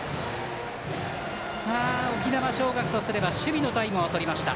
沖縄尚学とすれば守備のタイムをとりました。